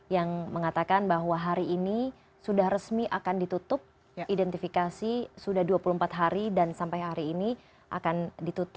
yang mengatakan bahwa hari ini sudah resmi akan ditutup identifikasi sudah dua puluh empat hari dan sampai hari ini akan ditutup